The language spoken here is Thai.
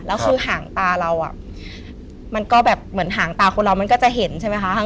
แล้วคือหางตาเรามันก็แบบเหมือนหางตาคนเรามันก็จะเห็นใช่ไหมคะ